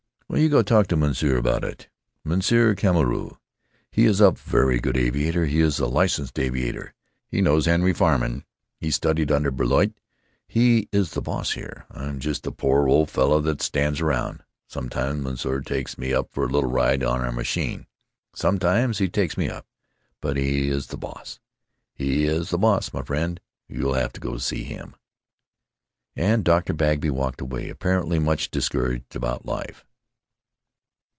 "Well, you go talk to Munseer about it; Munseer Carmeau. He is a very good aviator. He is a licensed aviator. He knows Henry Farman. He studied under Blériot. He is the boss here. I'm just the poor old fellow that stands around. Sometimes Munseer takes me up for a little ride in our machine; sometimes he takes me up; but he is the boss. He is the boss, my friend; you'll have to see him." And Dr. Bagby walked away, apparently much discouraged about life.